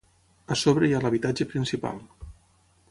A sobre hi ha l'habitatge principal.